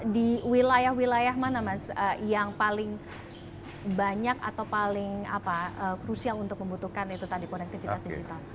di wilayah wilayah mana mas yang paling banyak atau paling krusial untuk membutuhkan itu tadi konektivitas digital